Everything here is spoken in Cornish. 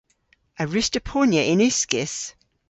A wruss'ta ponya yn uskis?